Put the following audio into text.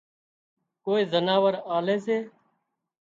ڪوئي زناور آلي سي